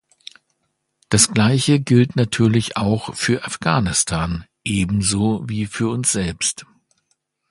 Das Gleiche gilt natürlich auch für Afghanistan, ebenso wie für uns selbst.